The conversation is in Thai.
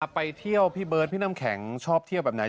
ไปเที่ยวพี่เบิร์ดพี่น้ำแข็งชอบเที่ยวแบบไหน